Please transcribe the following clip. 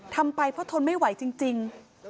ทำไปเพราะทนไม่ไหวจริง